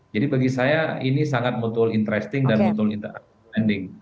jadi bagi saya ini sangat mutul interesting dan mutul entertaining